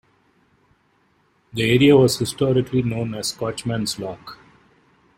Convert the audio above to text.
The area was historically known as the "Scotchman's Lock".